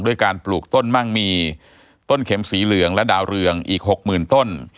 ด้วยการปลูกต้นมั่งมีต้นเข็มสีเหลืองและดาวเรืองอีกหกหมื่นต้น